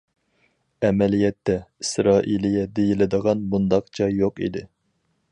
ئەمەلىيەتتە، ئىسرائىلىيە دېيىلىدىغان مۇنداق جاي يوق ئىدى.